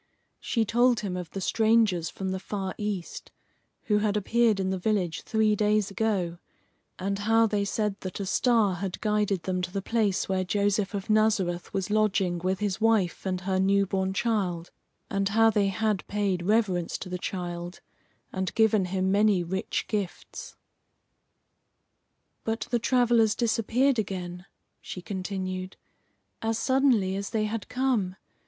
She told him of the strangers from the far East who had appeared in the village three days ago, and how they said that a star had guided them to the place where Joseph of Nazareth was lodging with his wife and her new born child, and how they had paid reverence to the child and given him many rich gifts. "But the travellers disappeared again," she continued, "as suddenly as they had come.